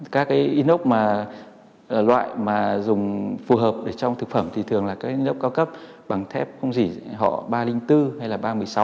các cái inox loại mà dùng phù hợp trong thực phẩm thì thường là cái inox cao cấp bằng thép không dị họ ba trăm linh bốn hay là ba trăm một mươi sáu